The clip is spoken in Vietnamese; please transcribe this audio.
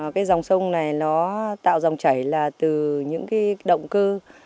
cái dòng sông này nó tạo dòng chảy là từ những cái động cơ